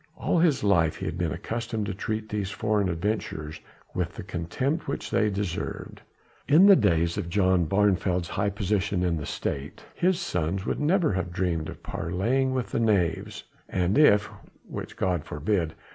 All his life he had been accustomed to treat these foreign adventurers with the contempt which they deserved. In the days of John of Barneveld's high position in the State, his sons would never have dreamed of parleying with the knaves, and if which God forbid!